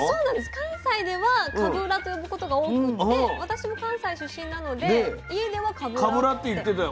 関西ではかぶらと呼ぶことが多くって私も関西出身なので家ではかぶらって。